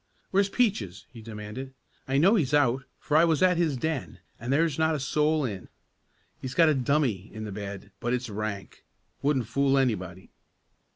"Where's Peaches?" he demanded. "I know he's out, for I was at his den, and there's not a soul in. He's got a 'dummy' in the bed, but it's rank. Wouldn't fool anybody."